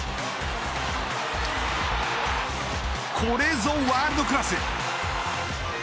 これぞ、ワールドクラス。